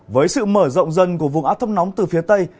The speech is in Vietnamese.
với sự mở rộng dân của vùng áp thấp nóng từ phía tây